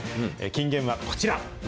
金言はこちら！